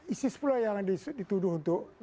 isis pula yang dituduh untuk